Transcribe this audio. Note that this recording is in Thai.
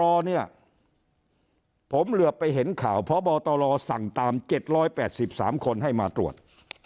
รอเนี่ยผมเหลือไปเห็นข่าวพบตรสั่งตาม๗๘๓คนให้มาตรวจ